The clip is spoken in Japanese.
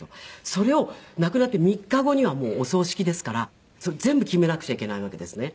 それを亡くなって３日後にはもうお葬式ですからそれ全部決めなくちゃいけないわけですね。